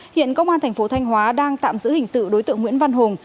hiện công an thành phố thanh hóa đang tạm giữ hình sự đối tượng nguyễn văn hùng